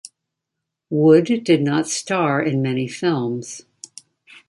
Wood did not star in many films.